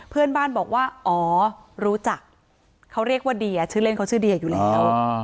เพื่อนบ้านบอกว่าอ๋อรู้จักเขาเรียกว่าเดียชื่อเล่นเขาชื่อเดียอยู่แล้ว